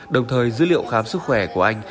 đồng thời dữ liệu khám sức khỏe của anh